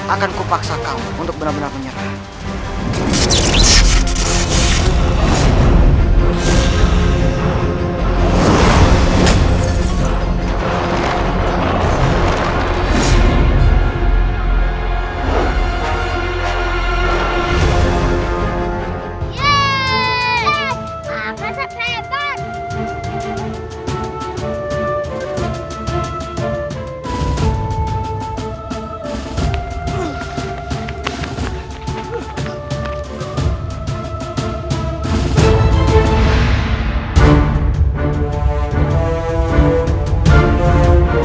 akan ku paksa kau untuk benar benar menyerah